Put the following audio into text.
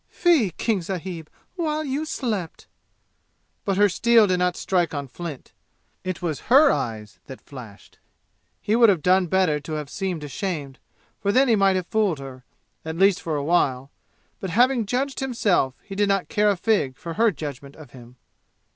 Fie, King sahib, while you slept!" But her steel did not strike on flint. It was her eyes that flashed. He would have done better to have seemed ashamed, for then he might have fooled her, at least for a while. But having judged himself, he did not care a fig for her judgment of him.